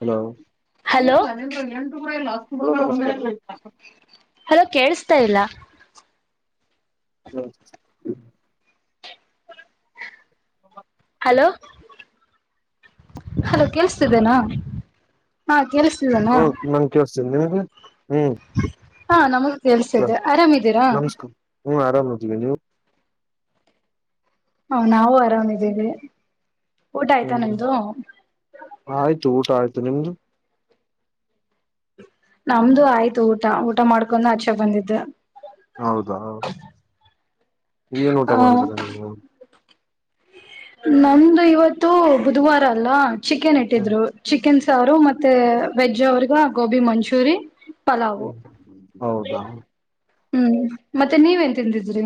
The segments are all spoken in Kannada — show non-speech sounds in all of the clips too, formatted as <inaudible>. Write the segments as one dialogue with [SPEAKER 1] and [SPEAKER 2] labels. [SPEAKER 1] ಹ
[SPEAKER 2] ಹಲೋ
[SPEAKER 1] -ಇಲ್ಲ- ನಿ -ಎಂಟುರ ಇಲ್ಲ ಹ <unintelligible>
[SPEAKER 2] ಹಲೋ ಕೇಳಸ್ತಾ ಇಲ್ಲ.
[SPEAKER 1] ಹ <unintelligible> ಹ್ಮ <inaudible>
[SPEAKER 2] ಹಲೋ ಅಲೋ ಕೇಳಿಸತಿದ್ದೇನಾ ಹ <unintelligible> ಕತ
[SPEAKER 1] ಹ್ಮ <unintelligible> ಮಂಕಿ ಒಸ್ಂದ ನಿಮಗೆ ಹ್ಮ್
[SPEAKER 2] ಹಾ ನಮಗ್ ಕೆಳ್ಸಿ ದೆ ಆರಾಮಿದೀರಾ
[SPEAKER 1] ಹು ಆರಾಮ ಹಚಗ ನೀ
[SPEAKER 2] ಹಾ ನಾವು ಆರಾಮಿದ್ದೇವಿ
[SPEAKER 1] ಹ್ಮ ಆಯ್ತು ಊಟ ಆಯ್ತು ನಿಮ್ದು
[SPEAKER 2] ನಮ್ದು ಆಯ್ತು ಊಟ ಊಟ ಮಾಡ್ಕೊಂಡ್ ಹಾಚೆ ಬಂದಿದ್ದ
[SPEAKER 1] ಹೌದ ಏನ ಊಟ
[SPEAKER 2] ಆ
[SPEAKER 1] ಮಾಡಿದಿರಾ ನೀವು
[SPEAKER 2] ನಮ್ದು ಇವತ್ತು ಬುಧವಾರ ಅಲ್ಲ ಚಿಕೆನ್ ಇಟ್ಟಿದ್ರು ಚಿಕನ್ ಚಾರು ಮತ್ತೆ ವೆಜ್ ಅವ್ರಗ ಗೋಬಿ ಮಂಚೂರಿನ್
[SPEAKER 1] ಹ್ಮ್ ಹೌದಾ
[SPEAKER 2] ಹ್ಮ್ ಮತ್ತೆ ನೀವೇನ್ ತಿಂದಿದ್ರಿ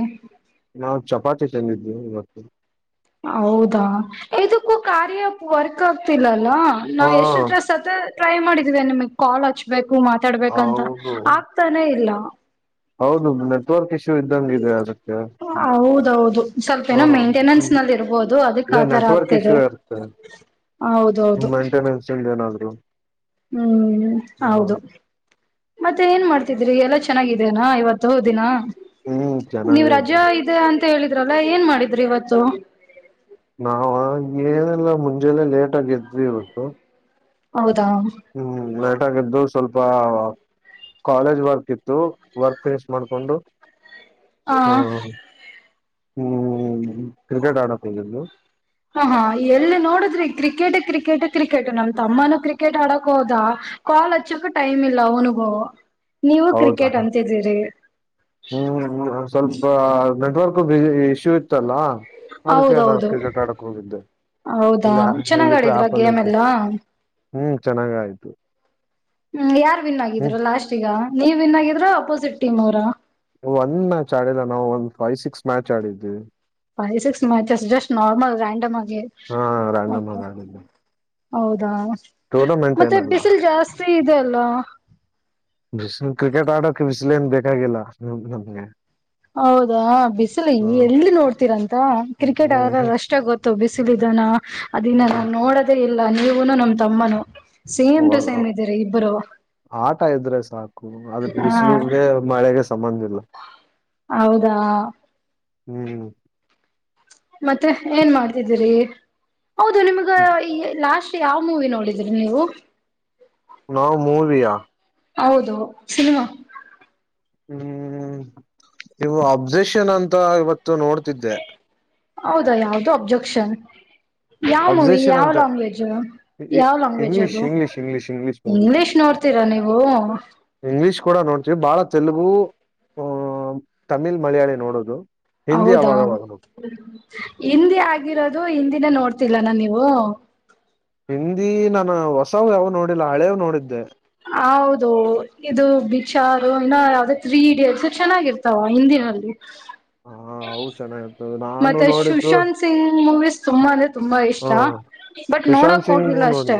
[SPEAKER 1] ನಾವು ಚಪಾತಿ ತೆಂದಿದ್ವಿ ಇವತ್ತು
[SPEAKER 2] ಹೌದಾ ಇದಕ್ಕೂ ಕಾರ್ಯ ವರ್ಕ್ ಆಗ್ತಿಲ್ಲಲ್ಲ ಅಲ
[SPEAKER 1] ಹಾ
[SPEAKER 2] ನಾವವು ಎಷ್ಟು ಡ್ರೆಸ್ತ್ತ ಟ್ರೈ ಮಾಡಿದೇ ನಿಮಗ್ ಕಾಲ್ ಹಚ್ಬೇಕು ಮಾತಾಡ್ಬೇಕಂತ
[SPEAKER 1] ಹೌದು
[SPEAKER 2] ಆಗ್ತಾನೇ ಇಲ್ಲ
[SPEAKER 1] ಇದ್ದ ಇದೆ ಅಗತ್ಯ
[SPEAKER 2] ಹೌದೌದು ಸ್ವಲ್ಪ ಏನೋ ಮೇಂಟೆನೆನ್ಸ್ ನಲ್ಲಿ ಇರ್ಬೋದು ಅದಕ್ ಆತರ
[SPEAKER 1] ನೆಟ್ವರ್ಕ್
[SPEAKER 2] ಆಗ್ತಿದೆ
[SPEAKER 1] ಇಶ್ಯೂ ಇರುತ್ತದೆ
[SPEAKER 2] ಹೌದೌದು
[SPEAKER 1] ಮೈಂಟೆನೆನ್ಸ್ ಇ ಏನಾದ್ರು
[SPEAKER 2] ಹ್ಮ್ ಹೌದು ಮತ್ತೆ ಏನ್ ಮಾಡ್ತಿದ್ರಿ ಎಲ್ಲ ಚೆನ್ನಾಗಿದೇನಾ ಇವತ್ತು ದಿನ
[SPEAKER 1] ಹ್ಮ್
[SPEAKER 2] ನೀವ್
[SPEAKER 1] ಚೆನ್ನಾಗೇ ಇದು
[SPEAKER 2] ರಜಾ ಇದೆ ಅಂತ ಹೇಳಿದ್ರಲ್ಲ ಏನ್ ಮಾಡಿದ್ರಿ ಇವತ್ತು
[SPEAKER 1] ನಾವ ಏನೆಲ್ಲ ಮುಂಜೆಲ್ಲ ಲೇಟ್ ಆಗಿದ್ವಿ ಇವತ್ತು
[SPEAKER 2] ಹೌದು
[SPEAKER 1] ಹ್ಮ್ ಲೇಟಾಗಿ ಎದ್ದು ಸ್ವಲ್ಪ ಕಾಲೇಜ್ ವರ್ಕ್ ಇತ್ತು ವರ್ಕ್ ಫಿನಿಶ್ ಮಾಡ್ಕೊಂಡು
[SPEAKER 2] ಹಾ
[SPEAKER 1] ಹ ಹ್ಮ್ ಕ್ರಿಕೆಟ್ ಆಡಕ್ ಹೋಗಿದ್ದು
[SPEAKER 2] ಹ ಹಾ ಎಲ್ಲ ನೋಡಿದ್ರಿ ಕ್ರಿಕೆಟ ಕ್ರಿಕೆಟ ಕ್ರಿಕೆಟ್ ನಮ್ ತಮ್ಮನೂ ಕ್ರಿಕೆಟ್ ಆಡಕ್ ಹೋದ ಕಾಲ್ ಹಚ್ಚಕ ಟೈಮ್ ಇಲ್ಲ ಅವನಿಗೂ ನೀವು
[SPEAKER 1] ಹೌದಾ
[SPEAKER 2] ಕ್ರಿಕೆಟ್
[SPEAKER 1] ಹ್ಮ್
[SPEAKER 2] ಅಂತಿದ್ದೀರಿ
[SPEAKER 1] ಸ್ವಲ್ಪ ನೆಟ್ವರ್ಕ್ ಬ ಇಶ್ಯೂ ಇತ್ತಲ್ಲ ಅದಕ್ಕೆ ನಾನು
[SPEAKER 2] ಹೌದೌದು
[SPEAKER 1] ಕ್ರಿಕೆಟ್ ಆಡಕ್ ಹೋಗಿದ್ದೆ ಇ
[SPEAKER 2] ಹೌದಾ ಚೆನ್ನಾಗ್
[SPEAKER 1] ಇಲ್ಲಿ
[SPEAKER 2] ಆಡಿದ್ರ
[SPEAKER 1] ಆಪಲ್
[SPEAKER 2] ಗೇಮ್
[SPEAKER 1] ಇರ್ತತ್ತು
[SPEAKER 2] ಎಲ್ಲಾ
[SPEAKER 1] ಹ್ಮ್ ಚೆನ್ನಾಗ ಆಯ್ತು
[SPEAKER 2] ಹ್ಮ್ ಯಾರ್ ವಿನ್
[SPEAKER 1] ಹ್ಮ್
[SPEAKER 2] ಆಗಿದ್ರ ಲಾಸ್ಟ್ ಈಗ ನೀವ್ ವಿನ್ ಆಗಿದ್ರ ಅಪೋಸಿಟ್ ಟೀಮ್ ಅವರ
[SPEAKER 1] ಒಂದ್ ಮ್ಯಾಚ್ ಆಡಿಲ್ಲ ನಾವು ಒಂದ್ ಫೈವ್ ಸಿಕ್ಸ್ ಮ್ಯಾಚ್ ಆಡಿದ್ವಿ
[SPEAKER 2] five six match just normal random
[SPEAKER 1] ಹಾ ರಾಂಡಮ್
[SPEAKER 2] ಹೌದಾ
[SPEAKER 1] ಟೂರ್ನಾಮೆಂಟ್
[SPEAKER 2] ಮತ್ತೆ
[SPEAKER 1] ಏನ ಅಲ್ಕ
[SPEAKER 2] ಬಿಸಿಲು ಜಾಸ್ತಿ ಇದೆ ಅಲ್ಲ
[SPEAKER 1] ಕ್ರಿಕೆಟ್ ಆಡೋ ಏನು ಬೇಕಾಗಿಲ್ಲ ನಮ್ಗೆ
[SPEAKER 2] ಹೌದಾ ಬಿಸಿಲು
[SPEAKER 1] ಹ್ಮ್
[SPEAKER 2] ಎಲ್ಲಿ ನೋಡ್ತೀರಂತ ಕ್ರಿಕೆಟ್ ಆದ
[SPEAKER 1] ಹ್ಮ್
[SPEAKER 2] ಅಷ್ಟೇ ಗೊತ್ತು ಬಿಸಿಲಿದ ಅದನ್ನ ನಾನ್ ನೋಡದೇ ಇಲ್ಲ ನೀವುನು ನಮ್ ತಮ್ಮನು ಸೇಮ್ ಟು ಸೇಮ್
[SPEAKER 1] ಹ್ಮ್
[SPEAKER 2] ಇದ್ದೀರಿ ಇಬ್ಬರು
[SPEAKER 1] ಆಟ ಇದ್ರೆ ಸಾಕು ಅದಕ್
[SPEAKER 2] ಹಾ
[SPEAKER 1] ಬಿಸಿಲುಗೆ ಮಳೆಗೆ ಸಂಬಂಧ ಇಲ್ಲ
[SPEAKER 2] ಹೌದಾ
[SPEAKER 1] ಹ್ಮ್
[SPEAKER 2] ಮತ್ತೆ ಏನ್ ಮಾಡ್ತಿದ್ದೀರಿ ಹೌದು ನಿಮ್ಗ ಈ ಲಾಸ್ಟ್ ಯಾವ್ ಮೂವಿ ನೋಡಿದ್ರಿ ನೀವು
[SPEAKER 1] ನಾವು ಮೂವಿಯಾ
[SPEAKER 2] ಹೌದು ಸಿನಿಮಾ
[SPEAKER 1] ಹ್ಮ್ ನೀವು ಅಬ್ಜೆಷನ್ ಅಂತ ಇವತ್ತು ನೋಡ್ತಿದ್ದೆ
[SPEAKER 2] ಹೌದಾ ಯಾವ್ದು ಅಬ್ಜೆಕ್ಷನ್ ಯಾವ ಮೂವಿ
[SPEAKER 1] ಅಬ್ಸೆಷನ್
[SPEAKER 2] ಯಾವ್
[SPEAKER 1] ಅಂತ
[SPEAKER 2] ಲ್ಯಾಂಗ್ವೇಜ್ ಯಾವ್ ಲಾಂಗ್ ಗ್ವೇಜ್
[SPEAKER 1] ಇಂಗ್ಲಿಷ್
[SPEAKER 2] ಅದು
[SPEAKER 1] ಇಂಗ್ಲಿಷ್ ಇಂಗ್ಲಿಷ್ ಮೂವಿ
[SPEAKER 2] ಇಂಗ್ಲಿಷ್ ನೋಡ್ತೀರಾ ನೀವು
[SPEAKER 1] ಇಂಗ್ಲಿಷ್ ಕೂಡ ನೋಡ್ತವಿ ಬಹಳ ತೆಲುಗು ಅ ತಮಿಳ್ ಮಲಯಾಳಿ ನೋಡುದು
[SPEAKER 2] ಹೌದಾ ಹಿಂದಿ ಆಗಿರೋದು. ದಿನ ನೋಡ್ತಿಲ್ಲ ನಾ ನೀವು.
[SPEAKER 1] ಹಿಂದಿ ನಾನು ಹೊಸವು ಯಾವ್ ನೋಡಿಲ್ಲ ಹಳೇವು ನೋಡಿದ್ದೆ.
[SPEAKER 2] ಹೌದು ಇದು ಬಿಚಾರ ಇನ್ನ ಯಾದ ತ್ರೀ ಇಡಿಯಟ್ಸ್ ಚೆನ್ನಾಗಿರ್ತಾವ ಹಿಂದಿನಲ್ಲಿ.
[SPEAKER 1] ಹಾ ಅವು ಚೆನ್ನಾಗಿರ್ತವೆ ನಾನು
[SPEAKER 2] ಮತ್ತೆ
[SPEAKER 1] ನೋಡಿದ್ದು
[SPEAKER 2] ಸುಶಾಂತ್ ಸಿಂಗ್ ಮೂವೀಸ್ ತುಂಬಾ ಅಂದ್ರೆ ತುಂಬಾ. ಹ ಇಷ್ಟ ಬಟ್
[SPEAKER 1] ಸುಶಾಂತ್
[SPEAKER 2] ನೋಡಕ್ ಹೋಗಿಲ್ಲ ಅಷ್ಟೇ.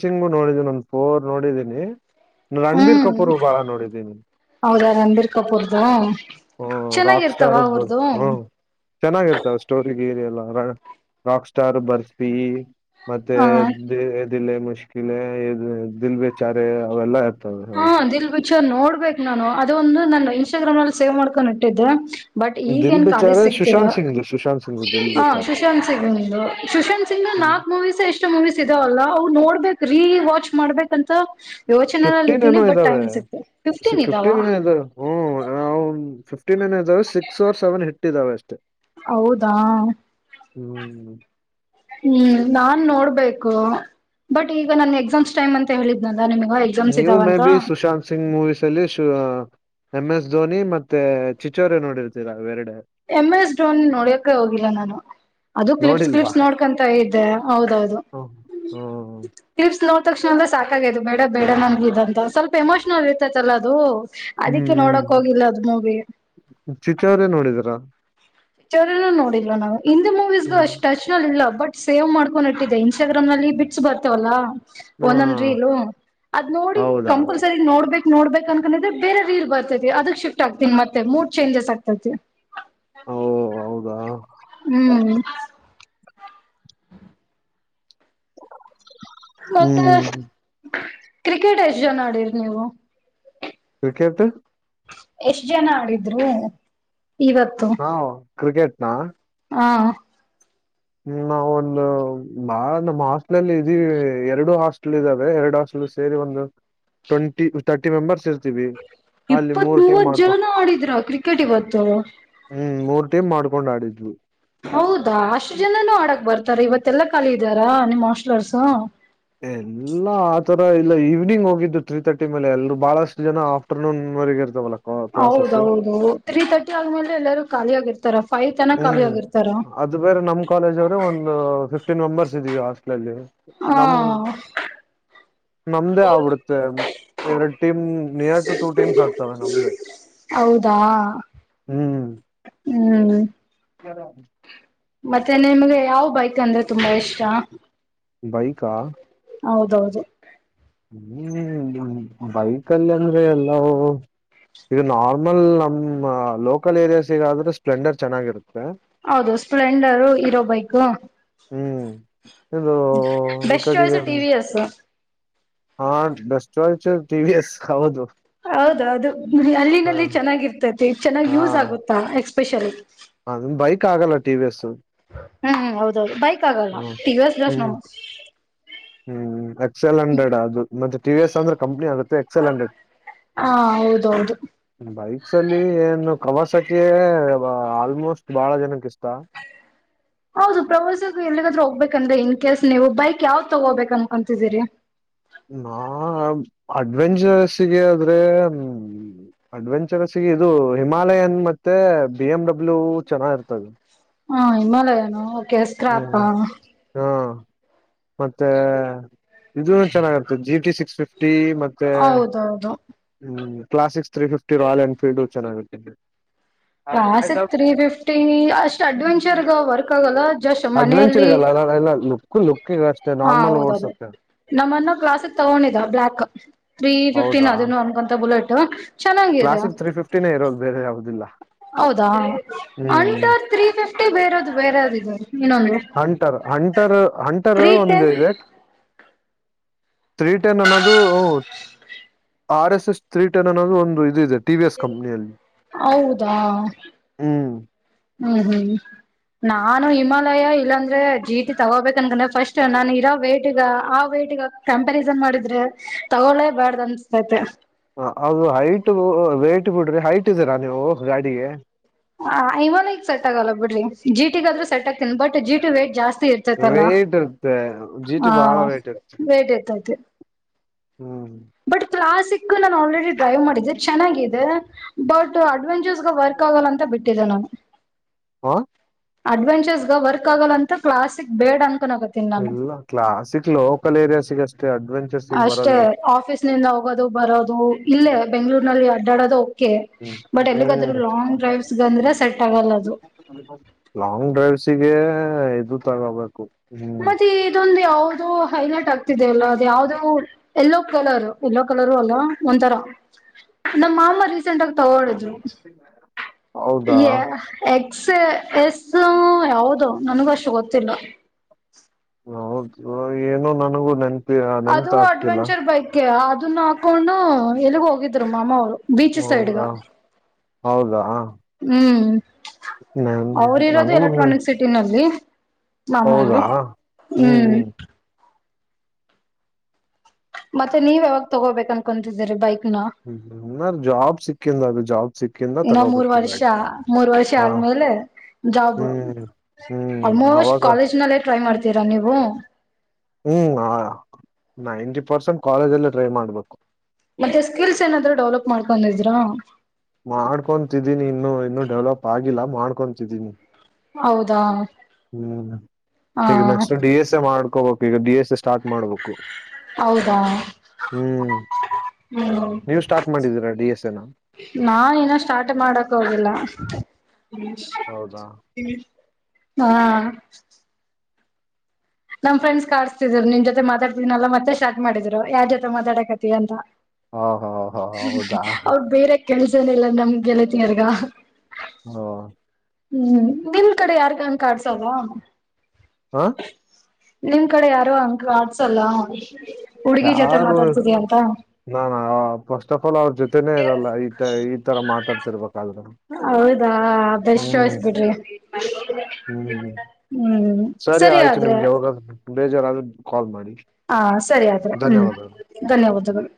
[SPEAKER 1] ಸಿಿಂಗು ನೋಡಿದ್ದೀನಿ ನಂದು ಪೋರ್ ನೋಡಿದ್ದೀನಿ ರಣಬೀರ್
[SPEAKER 2] ಹ್ಮ್
[SPEAKER 1] ಕಪೂರ್ ಬಾಳ ನೋಡಿದ್ದೀನಿ.
[SPEAKER 2] ಹೌದಾ ರಂಬೀರ್ ಕಪರ್ದು
[SPEAKER 1] ಹ್ಮ್ ರಾಕ್
[SPEAKER 2] ಚೆನ್ನಾಗಿರ್ತಾವ
[SPEAKER 1] ಸ್ಟಾರ್
[SPEAKER 2] ಅವಊರದು.
[SPEAKER 1] ಹ್ಮ್ ಚೆನ್ನಾಗಿರ್ತಾವ ಸ್ಟೋರಿ. ರಿಲ್ಲ ರಾಕ್ ಸ್ಟಾರ್ ಬರ್ಸ್ಪಿ ಮತ್ತೆ.
[SPEAKER 2] ಹ
[SPEAKER 1] ದಿಿಲ್ಲೇ ಮುಶ್ಕಿಲೆ ಇ ದಿಲ್ಬಚಾರ ಅವೆಲ್ಲಾ ಇರ್ತವೆ ಹೌದು.
[SPEAKER 2] ನೋಡ್ಬೇಕೇಕ್ ನಾನು ಅದ ಒಂದು ನನ್ನ ಇನ್ಸ್ಟಾಗ್ರಾಮ್ ನಲ್ಲಿ ಸೇವ್ ಮಾಡ್ಕೊಂಡ್ ಇಟ್ಟಿದ್ದೆ. ಬಟ್
[SPEAKER 1] ದಿಲ್
[SPEAKER 2] ಈಗೇನ್ ಕಾಲೇಜ್
[SPEAKER 1] ಬೇಚಾರೆ
[SPEAKER 2] ಸಿಗ್ತಿರ.
[SPEAKER 1] ಸುಶಾಂತ್ ಸಿಂಗ್ದು ಸುಶಾಂತ್ ಸಿಂಗ್ದು ದಿಲ್
[SPEAKER 2] ಹಾ
[SPEAKER 1] ಬೇಚಾರೆ
[SPEAKER 2] ಸುಶಾಂತ್ ಸಿಂಗ್ಂದು ಸುಶಾಂತ್ ಸಿಂಗ್ ನ
[SPEAKER 1] ಹ್ಮ್
[SPEAKER 2] ನಾಕ್ ಮೂವೀಸ್ ಎಷ್ಟು ಮೂವೀಸ್ ಇದಾವಲ್ಲ ಅವವು ನೋಡ್ಬೇಕು. ರೀ ವಾಚ್ ಮಾಡ್ಬೇಕಂತ ಯೋಚನೆಲ್ಲ ಇದ.
[SPEAKER 1] ಇದಾವ ಫಿಫ್ಟನ್ ಏನೋ ಇದ ಹ್ಟ. ಫ ಇದಾವೆ ಸಿಕ್ಸ್ ಓರ್ ಸೆವೆನ್ ಇಟ್ಟ ಇದಾವೆ ಅಷ್ಟೇ.
[SPEAKER 2] ಹೌದಾ.
[SPEAKER 1] ಹ್ಮ್.
[SPEAKER 2] ಹ್ಮ್ ನಾನ್ ನೋಡ್ಬೇಕು ಬಟ್ ಈಗ ನನ್ ಎಕ್ಸಾಮ್ಸ್ ಟೈಮ್ ಅಂತ ಹೇಳಿದ್ದ್ನ.
[SPEAKER 1] ನೀನ್ಯೂ maybe Sushant Singh movies ಅಲ್ಲಿ ಶ. ಎಂ ಎಸ್ ಧೋನಿ ಮತ್ತೆ ಚಿಚೋರೆ ನೋಡಿರ್ತೀರಾ ಬೇರಡೆ.
[SPEAKER 2] ಎಮ್ ಎಸ್ ಡೋನ್ ನೋಡಿಯಕ ಹೋಗಿಲ್ಲ ನಾನು. ಅದು ಕ್ಲಿಪ್ಸ್
[SPEAKER 1] ನೋಡಿಲ್ವಾ
[SPEAKER 2] ಕ್ಲಿಪ್ಸ್ ನೋಡ್ಕೊಂತ ಇದ್ದೆ ಹೌದೌದು.
[SPEAKER 1] ಹ್ಮ.
[SPEAKER 2] ಕ್ಲಿಪ್ಸ್ ನೋಡ್ ತಕ್ಷಣ ಅಂದ್ರೆ ಸಾಕಾಗದು ಬೇಡ ಬೇಡ ನನ್ಗೆ ಇ ಅಂತ ಸ್ವಲ್ಪ ಎಮೋಷನಲ್ ಇರ್ತೈತಲ್ಲ ಅದು.
[SPEAKER 1] ಹ್ಮ್
[SPEAKER 2] ಅದಿಕ್ಕೆ
[SPEAKER 1] ಹ್ಮ್.
[SPEAKER 2] ನೋಡಕ್ ಹೋಗಿಲ್ಲ ಅದ್ ಮೂವಿ.
[SPEAKER 1] ಚಿಚೋರೆ ನೋಡಿದೀರಾ
[SPEAKER 2] ಪಿಕ್ಚರ್ ನೋಡಿಲ್ವಾ ನಾವು ಹಿಂದಿ ಮೂವೀಸ್ಗು
[SPEAKER 1] ಹ್ಮ್
[SPEAKER 2] ಅಷ್ಟ್ ಟಚ್ ನಲ್ಲಿ ಇಲ್ಲ ಬಟ್. ಸೇವ್ ಮಾಡ್ಕೊಂಡ್ ಇಟ್ಟಿದ್ದೆ ಇನ್ಸ್ಟಾಗ್ರಾಮ್ ನಲ್ಲಿ ಬಿಟ್ಸಸ್ ಬರ್ತವಲ್ಲಾ.
[SPEAKER 1] ಹಾ
[SPEAKER 2] ಒಂದೊಂದ ರೀಲು ಅದ್ ನೋಡಿ
[SPEAKER 1] ಹೌದಾ
[SPEAKER 2] ಕಂಪಲ್ಸರಿ ನೋಡ್ಬೇಕ. ನೋಡ್ಬೇಕಕ್ ಅನ್ಕಿದ್ರೆ ಬೇರೆ ರೀಲ್ ಬರ್ತೈತಿ ಅದಕ್ ಶಿಫ್ಟ್ ಆಗ್ತ ಮತ್ತೆ ಮೂಡ್ ಚೇಂಜಸ್ ಆಗ್ತೈತಿ.
[SPEAKER 1] ಓ ಹೌದಾ
[SPEAKER 2] ಹ್ಮ್ ಮತ್ತೆ
[SPEAKER 1] ಹ್ಮ್
[SPEAKER 2] ಕ್ರಿಕೆಟ್ ಎಷ್ಟ ಜನ ಆಡಿರಿ ನೀವು.
[SPEAKER 1] ಕಿಕೆತ್ತು.
[SPEAKER 2] ಎಷ್ಟ್ ಜನ ಆಡಿದ್ರು ಇವತ್ತು.
[SPEAKER 1] ಹಾ ಕ್ರಿಕೆಟ್ನಾ.
[SPEAKER 2] ಹಾ.
[SPEAKER 1] ಹ್ಮ ನಾವ ಒಂದು ಬಾ ನಮ್ಮ್ ಹಾಸ್ಟ್ಲ್ ಅಲ್ಲಿ ಇದೀ ಎರಡು ಹಾಸ್ಟ್ಲ್ ಇದ್ದಾವೆ ಎರಡು ಹಾಸ್ಟ್ಲ್. ಸೇರಿ ಒಂದು ಟ್ವೆಂಟಿ ತರ್ಟಿ ಮೆಂಬರ್ಸ್ ಇರ್ತೀವಿ. ಅಲ್ಲಿ
[SPEAKER 2] ಇಪ್ಪತ್
[SPEAKER 1] ಮೂರ್ ಟೀಮ್
[SPEAKER 2] ಮೂವತ್ತು
[SPEAKER 1] ಮಾಡ್ಕೊ
[SPEAKER 2] ಜನ ಆಡಿದ್ರ ಕ್ರಿಕೆಟ್ ಇವತ್ತು.
[SPEAKER 1] ಮೇ ಮಾಡ್ಕೊಂಡ್ ಆಡಿದ್ವು.
[SPEAKER 2] ಹೌದಾ ಅಷ್ಟು ಜನನುೂ ಆಡಕ್ ಬರ್ತಾರೆ ಇವತ್ತೆಲ್ಲಾ ಕಖಾಲಿ ಇದಾರ ನಿಮ್ಮ್ ಮಾಸ್ಲರ್ಸ್.
[SPEAKER 1] ಎಲ್ಲಾ. ರ ಇಲ್ಲ ಈವ್ನಿಂಗ್ ಹೋಗಿದ್ದು ತ್ರೀ ತರ್ಟಿ ಮೇಲೆ ಎಲ್ರು ಬಹಳಷ್ಟ ಜನ ಆಫ್ಟರ್ನೂನ್ರೆಗ ಇರ್ತವಲ್ಲ.
[SPEAKER 2] ಹೌದೌದು ತ್ರೀ ತರ್ಟಿ ಆದ್ಮೇಲೆ ಎಲ್ಲರೂ ಖಾಲಿ ಆಗಿರ್ತಾರ. ಫೈವ್ ತನ ಖಾಲಿ
[SPEAKER 1] ಹ್ಮ್
[SPEAKER 2] ಆಗಿರ್ತಾರ.
[SPEAKER 1] ಅದು ಬೇರೆ ನಮ್ ಕಾಲೇಜ್ ಅವರು ಒಂದು ಫಿಫ್ಟೀನ್ ಮೆಂಬರ್ಸ್ ಇದೀವಿ ಹಾಸ್ಟ್ಲ ಅಲ್ಲಿ.
[SPEAKER 2] ಹಾ.
[SPEAKER 1] ನಮ್ದೇ ಆಗ್ಬಿಡುತ್ತೆ ಎರಡ್ team near to two teams ಆಗ್ತವೆ ನಮ್ದೆ.
[SPEAKER 2] ಹೌದಾ
[SPEAKER 1] ಹ್ಮ್
[SPEAKER 2] ಹ್ಮ್.
[SPEAKER 1] <unintelligible>
[SPEAKER 2] ಮತ್ತೆ ನಿಮ್ಗೆ ಯಾವ್ ಬೈಕ್ ಅಂದ್ರ.
[SPEAKER 1] ಬೈಕಾ
[SPEAKER 2] ಹೌದೌದು
[SPEAKER 1] ಹ್ಮ್ ಬೈಕ್ಲ್ಲಿ ಅಂದ್ರೆ ಎಲ್ಲ ಈಗ ನಾರ್ಮಲ್ ನಮ್ಮ್ ಲೋಕಲ್ ಏರಿಯಾಸ್ಗಾದ್ರೆ ಸ್ಪ್ಲೆಂಡರ್ ಚೆನ್ನಾಗಿರುತ್ತೆ
[SPEAKER 2] ಹೌದು ಸ್ಪ್ಲೆಂಡರು ಇರೋ ಬೈಕ್
[SPEAKER 1] ಹ್ಮ್ ಇದು ಈ
[SPEAKER 2] ಬೆಸ್ಟ್ ಚಾಯ್ಸ್
[SPEAKER 1] ಕಡೆಗೆ
[SPEAKER 2] ಟಿ ವಿ ಎಸ್.
[SPEAKER 1] ಹಾ ಸ್ ಟಿಿವಿಯಸ್ ಹೌದು
[SPEAKER 2] ಹೌದೌದು
[SPEAKER 1] ಹ
[SPEAKER 2] ಅಲ್ಲಿನಲ್ಲಿ ಚೆನ್ನಾಗಿರ್ತೈತಿ ಚೆನ್ನಾಗ್
[SPEAKER 1] ಹಾ
[SPEAKER 2] ಯೂಸ್ ಆಗುತ್ತಾ ಎಕ್ಸ್ಪೆಷಲ್
[SPEAKER 1] ಅದನ್ ಬೈಕ್ ಆಗಲ್ಲ ಟವ ಎಸ್
[SPEAKER 2] ಹ್ಮ್ ಹೌದೌದು ಬೈಕ್ ಆಗಲ್ಲ
[SPEAKER 1] ಹ್ಮ್
[SPEAKER 2] ಟಿ ಎಸ್ ದೋಶ್ ನೋ
[SPEAKER 1] ಹ್ಮ್ ಹ್ಮ್ ಎಕ್ಸ್ ಎಲ್ ಹಂಡ್ರೆಡ್ ಅದು ಮತ್ತೆ ಟಿ ಎಸ್ ಅಂದ್ರೆ ಕಂಪ್ನಿ ಆಗುತ್ತೆ ಎಕ್ಸಲ್ ಹಂಡ್ರೆಡ್
[SPEAKER 2] ಹಾ ಹೌದೌದು
[SPEAKER 1] ಭೈ ಕ್ಸ ಅಲ್ಲಿ ಏನು ಕವಸಕ್ಕೆ ಆಲ್ಮೋಸ್ಟ್ ಬಹಳ ಜನಕ್ಕೆ ಇಷ್ಟ
[SPEAKER 2] ಹೌದು ಪ್ರವಾಸ ಎಲ್ಲಿಗಾದ್ರೂ ಹೋಗ್ಬೇಕಂದ್ರೆ ಇನ್ ಕೇಸ್ ನೀವು ಬೈಕ್ ಯಾವ್ ತಗೋಬೇಕ ಅನ್ಕೊಂತಿದೀರಿ
[SPEAKER 1] ನಾ ಅಡ್ವೆಂಚರಸ್ಗೆ ಆದ್ರೆ ಅಡ್ವೆಂಚರಸ್ಗೆ ಇದು ಹಿಮಾಲಯನ್ ಮತ್ತೆ ಬಿ ಎಮ್ ಡಬ್ಲ್ಯೂ ಚೆನ್ನಾಗಿ ಇರ್ತದೆ
[SPEAKER 2] ಹಾ ಹಿಮಾಲಯನು
[SPEAKER 1] ಹ್ಮ್
[SPEAKER 2] ಓೆಾಪಾ
[SPEAKER 1] ಹಾ ಮತ್ತೆ ಇದು ಚೆನ್ನಾಗಿರುತ್ತೆ ಜಿ ಟಿ ಸಿಕ್ಸ್ ಫಿಫ್ಟಿ ಮತ್ತೆ
[SPEAKER 2] ಹೌದೌದು
[SPEAKER 1] ಹ್ಮ್ ಕ್ಲಾಸಕ್ ತ್ರೀ ಫ್ಟ ರಾಯಲ್ ಎನ್ಫೀಲ್ಡ್ ಚೆನ್ನಾಗುತ್ತತ್ತ
[SPEAKER 2] ಕಾಸ್ತ್ ತ್ರೀ ಫಿಫ್ಟಿ ಅಷ್ಟ್ ಅಡ್ವೆಂಚರ್ಗ ವರ್ಕ್ ಆಗಲ್ಲ ಜಸ್ಟ್ ಮನೆಯಲ್ಲಿ
[SPEAKER 1] ಅಡ್ವೆಂಚರ್ಗಲ್ಲ ಎಲ್ಲ ಲುಕ್ ಲುಕ್ಗ ಅಷ್ಟೆ
[SPEAKER 2] ಹಾ
[SPEAKER 1] ನಾರ್ಮಲ್
[SPEAKER 2] ಹೌದೌದು
[SPEAKER 1] ಓಡ್ಸುತ್ತೆ
[SPEAKER 2] ನಮ್ಮನ್ನ ಕ್ಲಾಸಕ್ ತಗೊಂಡಿದ ಬ್ಲ್ಯಾಕ್ ತ್ರೀ ಫಿಫ್ಟೀನ್ ಅದನ್ನು ಅನ್ಕೊಂತ ಬುಲೆಟ್ ಚೆನ್ನಾಗಿದೆ
[SPEAKER 1] ಕ್ಲಾಸಸ್ಿಗೆ ತ್ರೀ ಫಿಫ್ಟಿನೇ ಇರೋದು ಬೇರೆ ಯಾವ್ದದಿಲ್ಲ
[SPEAKER 2] ಹೌದಾ ಅಟ ೀ ಫಿಫ್ಟಿ ಬೇರೆ ಬೇರೆ ಇದಾರೆ
[SPEAKER 1] ಹಂಟರ್ ಹಂಟರ್ ಹಂಟರ್
[SPEAKER 2] ತ್ರೀ
[SPEAKER 1] ಒಂದು
[SPEAKER 2] ಟೆನ್
[SPEAKER 1] ಇದೆ ಥೀ ಟೆನ್ ಅನ್ನೋದು ಆರ್ ಎಸ್ ಎಸ್ ತ್ರ್ರೀಟನ್ ಅನ್ನೋದು ಒಂದು ಇದು ಇದೆ ಟಿ ವಿ ಎಸ್ ಕಂಪ್ನಿಯಲ್ಲಿ
[SPEAKER 2] ಹೌದಾ
[SPEAKER 1] ಹ್ಮ್
[SPEAKER 2] ಹ್ಮ್ ಹ್ಮ್ ನಾನು ಹಿಮಾಲಯ ಇ ಇಲ್ಲಾಂದ್ರೆ ಜೀಟಿ ತಗೋಬೇಕ ಅನ್ಕಂದ್ರೆ ಫಸ್ಟ್ ನಾನನ್ ಇರೋ ವೈಟ್್ಗ ಆ ವೈ್ಟಟ್ಗ ಕಂಪಾರಿಸನ್ ಮಾಡಿದ್ರೆ ತಗೊೊಳ್ಳೇ ಬಾರ್ದ ಅನ್ಸ್ತೈತೆ
[SPEAKER 1] ಹ ಅದು ಹೈಟ್ ವೇಟ್ ಬಿಡ್ರಿ ಹೈಟ್ ಇದ್ದೀರಾ ನೀವು ಗಾಡಿಗೆ
[SPEAKER 2] ಹ ಐಮನಗ್ ಸೆಟ್ ಆಗಲ್ಲ ಬಿಡ್ರಿ ಜೀಟಿಗ ಆದ್ರೂ ಸೆಟ್ ಆಗ್ತೀನಿ ಬಟ್ ಜಿಟಿ ವೇಟ್ ಜಾಸ್ತಿ ಇರ್ತೈತಲ್ಲ
[SPEAKER 1] ವೇಟ್ ಇರುತ್ತೆ ಜಿ ಟಿ
[SPEAKER 2] ಹಾ
[SPEAKER 1] ಬಹಳ ವೇಟ್ ಇರುತ್ತೆ
[SPEAKER 2] ಬೇಟ್ ಇರ್ತೈತಿ
[SPEAKER 1] ಹ್ಮ್
[SPEAKER 2] ಬಟ್ ಕ್ಲಾಸಿಕ್ ನಾನು ಆಲ್ರೆಡಿ ಡ್ರೈವ್ ಮಾಡಿದ್ದೆ ಚೆನ್ನಾಗಿದೆ ಬಟ್ ಅಡ್ವೆಂಚರ್ಸ್ಗ ವರ್ಕ್ ಆಗಲ್ಲ ಅಂತ ಬಿಟ್ಟಿದ್ದೆ ನಾನು
[SPEAKER 1] ಹ
[SPEAKER 2] ಅಡ್ವೆಂಚರ್ಸ್ಗ ವರ್ಕ್ ಆಗಲ್ಲ ಅಂತ ಕ್ಲಾಸಿಕ್ ಬೇಡ ಅಂತ
[SPEAKER 1] ಎಲ್ಲ ಕ್ಲಾಸಿಕ್ ಲೋಕಲ್ ಏರಿಯಾಸ್ಗ ಅಷ್ಟೇ ಅಡ್
[SPEAKER 2] ಅಷ್ಟೇ ಆಫೀಸ್ ನಿಂದ ಹೋಗೋದು ಬರೋದು ಇಲ್ಲೇ ಬೆಂಗ್ಳೂರ್ನಲ್ಲಿ ಅಡ್ಡಾಡೋದು
[SPEAKER 1] ಹ್ಮ್
[SPEAKER 2] ಬಟ್ ಎಲ್ಲಿಗಾದ್ರೂ
[SPEAKER 1] ಹ್ಮ್
[SPEAKER 2] ಲಾಂಗ್ ಡ್ರೈವ್ಸ್ಗಂದ್ರೆ ಸೆಟ್ ಆಗಲ್ಲ ಅದು
[SPEAKER 1] ಲಾಂಗ್ ಡ್ರೈವ್ಸಿಗೆ ಇದು ತಗೋಬೇಕು ಹ್ಮ್
[SPEAKER 2] ಮತ್ತೆ ದೊಂದು ಯ ಅದು ಹೈಲೈಟ್ ಆಗ್ತಿದೆ ಅಲ್ಲ ಅದು ಯಾವ್ದದು ಎಲ್ಲೋ ಕಲರ್ ಎಲ್ಲೋ ಕಲರು ಅಲ್ಲ ಒಂಥರ ನಮ್ಮ ಮಾಮ ರೀಸೆಂಟ್ ಆಗ ತಗಳಿದ್ರು
[SPEAKER 1] ಹೌದಾ
[SPEAKER 2] ಯ ಎ ಎಸ್ ಯಾವದು ನನ್ಗೂ ಅಷ್ಟು ಗೊತ್ತಿಲ್ಲ
[SPEAKER 1] ಹೌದು ಏನು ನನಗೂ ನನ್
[SPEAKER 2] ಅದು ಅಡ್ವೆಂಚರ್ ಬೈಕ್ ಅದನ್ನ ಹಾಕೊಂಡು ಎಲ್ಲಿಗ್ ಹೋಗಿದ್ರು ಮಾಮವರು ಬೀಚ್ ಸೈಡುಗಾ
[SPEAKER 1] ಹೌದಾ ಹೌದಾ
[SPEAKER 2] ಹ್ಮ್
[SPEAKER 1] ನನ್
[SPEAKER 2] ಅವರು ಇರೋದು
[SPEAKER 1] ನನಗೂ ನನ್
[SPEAKER 2] ಎಲೆಕ್ಟ್ರಾನಿಕ್ ಸಿಟಿನಲ್ಲಿ ಮಾಮ ಅವರು
[SPEAKER 1] ಹೌದಾ
[SPEAKER 2] ಹ್ಮ್ ಮತ್ತೆ ನೀವ್ ಯಾವಾಗ ತಗೋಬೇಕು ಅನ್ಕೊಂತಿದ್ದೀರಿ ಬೈಕ್
[SPEAKER 1] ಹ್ಮ್ಜಾಬ್ ಸಿಕ್ಕಿಂದ ಅದು ಜಾಬ್ ಸಿಕ್ಕಿಂದ
[SPEAKER 2] ಇನ್ನೊ ಮೂರ್
[SPEAKER 1] ತಗೋಬೇಕು
[SPEAKER 2] ವರ್ಷ
[SPEAKER 1] ಗಾಡಿ
[SPEAKER 2] ಮೂರ್ ವರ್ಷ
[SPEAKER 1] ಹ
[SPEAKER 2] ಜಾಬ್
[SPEAKER 1] ಹ್ಮ್
[SPEAKER 2] ಆಲ್ಮೋಸ್ಟ್
[SPEAKER 1] ಅವಾಗ
[SPEAKER 2] ಕಾಲೇಜ್ ನಲ್ಲ ಟ್ರೈ ಮಾಡ್ ರಾ ನೀವು
[SPEAKER 1] ಹ್ಮ್ ನೈಂಟಿ ಪರ್ಸೆಂಟ್ ಕಾಲೇಜಲ್ಲೇ ಟ್ರೈ ಮಾಡ್ಬೇಕು
[SPEAKER 2] ಮತ್ತೆ ಸ್ಕಿಲ್ಸ್ ಏನಾದ್ ಡೆವಲಪ್ ಮಾಡ್ಕೊಂಡಿದ್ರಾ
[SPEAKER 1] ಮಾಡ್ಕೊತಿದ್ದೀನಿ ಇನ್ನು ಇನ್ನು ಡೆವಲಪ್ ಆಗಿಲ್ಲ ಮಾಡ್ಕೊತಿದ್ದೀನಿ
[SPEAKER 2] ಹೌದಾ
[SPEAKER 1] ಹ್ಮ್
[SPEAKER 2] ಹ
[SPEAKER 1] ಈಗ ನೆಕ್ಸ್ಟ್ ಡಿ ಎಸ್ ಎ ಮಾಡ್ಕೋಬೇಕು ಈಗ ಡಿ ಎಸ್ ಎ ಸ್ಟಾರ್ಟ್ ಮಾಡ್ಬೇಕು
[SPEAKER 2] ಹೌದಾ
[SPEAKER 1] ಹ್ಮ್
[SPEAKER 2] ಹ್ಮ್
[SPEAKER 1] ನೀವು ಸ್ಟಾರ್ಟ್ ಮಾಡಿದ್ದೀರಾ ಡಿ ಎಸ್ ಎ ನ
[SPEAKER 2] ನಾ ನ ಸ್ಟಾರ್ಟ್ ಮಾಡಕ್ ಹೋಗಿಲ್ಲ
[SPEAKER 1] ಹೌದಾ
[SPEAKER 2] ಹಾ ನಮ್ ಫ್ರಂಡ್ಸ್ ಕಿಸಸ್ತಿದ್ರು ನಿನ್ ಜೊತೆ ಮಾತಾಡ್ತೀನಲ್ಲ ಮತ್ತೆ ಶ್ಟಾರ್ ಮಾಡಿದ್ರು ಯಾರ್ ಜೊತೆ ಮಾತಡಾಕತಿ ಅಂತ
[SPEAKER 1] ಹ ಹ ಹ ಹೌದಾ
[SPEAKER 2] ಅವ್ರ ಬೇರೆ ಕೆಲ್ಸನಲ್ಲ ನಮ್ ಗೆಲತಿಯರ್ಗ
[SPEAKER 1] ಹ್ಮ
[SPEAKER 2] ಹ್ಮ್ ನಿಮ ಕಡೆ ಯಾರ್ಗಂಗ ಕಡ್ಸವವಾ
[SPEAKER 1] ಹಾ
[SPEAKER 2] ನಿಮ್ ಕಡೆ ಯಾರೋ ಅಂಕ ಆಡ್ಸಲ್ಲ ಹುಡ್ಗಿ ಜೊತೆ ಮಾತಾಡ್ತಿದ ಅಂತ
[SPEAKER 1] ನಾಾನಾ ಫಸ್ಟ್ ಆಫ್ ಆಲ್ ಅವ್ರ ಜೊತೆನೇ ಇರಲ್ಲ ಈ ಈ ತರ ಮಾತಾಡ್ತ
[SPEAKER 2] ಹೌದಾ ಬೆಸ್ ಶೋಸ್ಬಿಡ್ರಿ
[SPEAKER 1] ಹ್ಮ್ ಹ್ಮ್ ಸರಿ ಆಯ್ತು ನಿಮ್ಗೆ ಯಾವಾಗ ಬೇಜಾರಾದ್ರೆ ಕಾಲ್ ಮಾಡಿ
[SPEAKER 2] ಸರಿಯಾದ್ರೆ ಹ್ಮ್
[SPEAKER 1] ಧನ್ಯವಾದಗಳು
[SPEAKER 2] ಧನ್ಯವಾದಗಳು